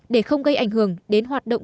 để không gây ảnh hưởng đến hoạt động